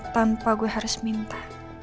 tanpa gue harus minta